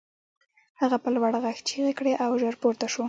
هغه په لوړ غږ چیغې کړې او ژر پورته شو